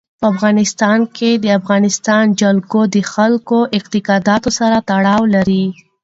په افغانستان کې د افغانستان جلکو د خلکو د اعتقاداتو سره تړاو لري.